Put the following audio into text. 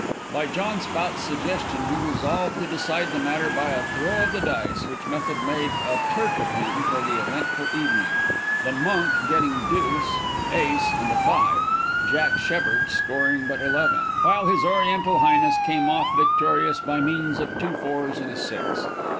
By John Spout's suggestion he resolved to decide the matter by a throw of the dice, which method made a "Turk" of him for the eventful evening, the "Monk" getting deuce, ace, and a five, "Jack Sheppard" scoring but eleven, while his oriental highness came off victorious, by means of two fours and a six.